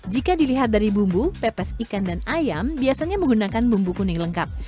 jika dilihat dari bumbu pepes ikan dan ayam biasanya menggunakan bumbu kuning lengkap